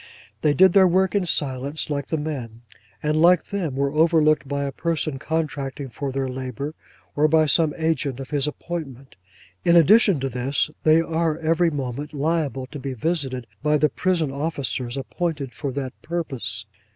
They did their work in silence like the men; and like them were over looked by the person contracting for their labour, or by some agent of his appointment. In addition to this, they are every moment liable to be visited by the prison officers appointed for that purpose.